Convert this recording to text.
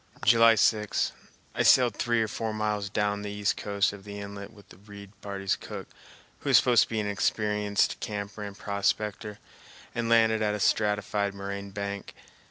July 6. I sailed three or four miles down the east coast of the inlet with the Reid party's cook, who is supposed to be an experienced camper and prospector, and landed at a stratified moraine bank.